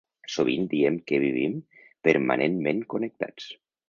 Sovint diem que vivim permanentment connectats.